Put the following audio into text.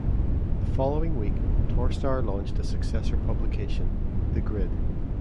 The following week, Torstar launched a successor publication, "The Grid".